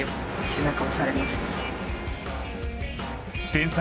天才